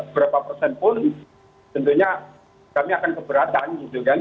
berapa persen pun tentunya kami akan keberatan gitu kan